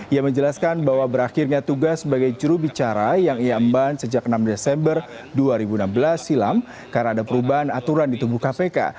ia menjelaskan bahwa berakhirnya tugas sebagai jurubicara yang ia emban sejak enam desember dua ribu enam belas silam karena ada perubahan aturan di tubuh kpk